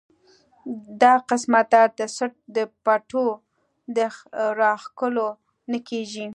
دا قسمه درد د څټ د پټو د راښکلو نه کيږي